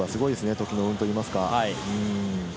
時の運といいますか。